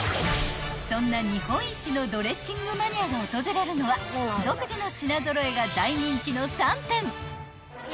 ［そんな日本一のドレッシングマニアが訪れるのは独自の品揃えが大人気の３店］